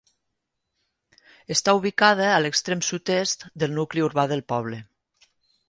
Està ubicada a l'extrem sud-est del nucli urbà del poble.